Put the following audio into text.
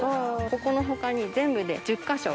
ここの他に全部で１０か所。